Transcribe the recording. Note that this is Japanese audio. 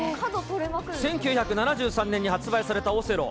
１９７３年に発売されたオセロ。